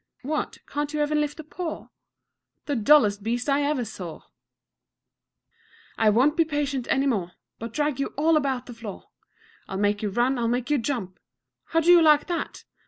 What, can't you even lift a paw? The dullest beast I ever saw! 3. I won't be patient any more, But drag you all about the floor; I'll make you run, I'll make you jump How do you like that?